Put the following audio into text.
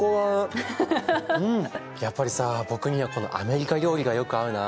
やっぱりさ僕にはこのアメリカ料理がよく合うな。